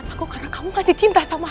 pokoknya papa hidup di dunia ini